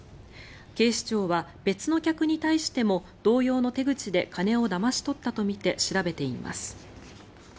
警視庁は別の客に対しても同様の手口で金をだまし取ったとみて調べています。